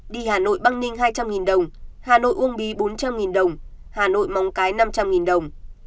đi hà nội băng ninh hai trăm linh đồng hà nội uông bí bốn trăm linh đồng hà nội mong cái năm trăm linh đồng